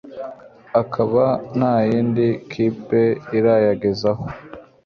akaba ntayindi kipe irayagezaho